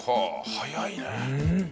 早いね。